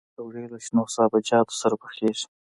پکورې له شنو سابهجاتو سره پخېږي